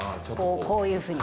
こういうふうに。